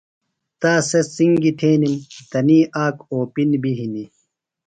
تا سےۡ څِنگیۡ تھینِم۔ تنی آک اوپِن بیۡ ہِنیۡ۔